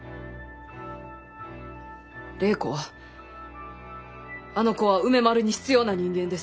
礼子はあの子は梅丸に必要な人間です。